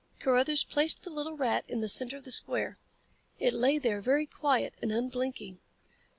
Carruthers placed the little rat in the center of the square. It lay there, very quiet and unblinking.